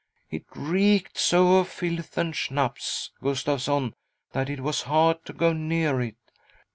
It reeked so of filth and . Schnapps, Gustavsson, that it was hard to go near it.